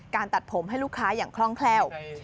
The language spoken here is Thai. ตัดผมให้ลูกค้าอย่างคล่องแคล่ว